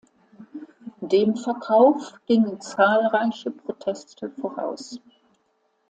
Dem Verkauf gingen zahlreiche Proteste voraus.